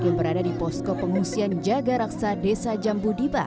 yang berada di posko pengungsian jaga raksa desa jambudipa